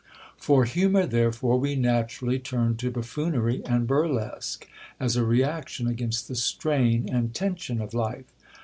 For humour, therefore, we naturally turn to buffoonery and burlesque, as a reaction against the strain and tension of life.